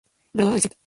Graduada del St.